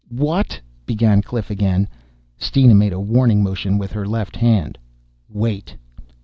"What...?" began Cliff again. Steena made a warning motion with her left hand. "_Wait!